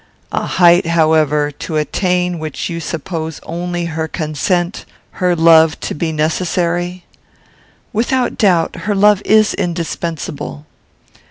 "A height, however, to attain which you suppose only her consent, her love, to be necessary?" "Without doubt, her love is indispensable."